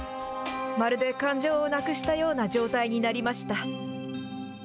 まるで感情を無くしたような状態になりました。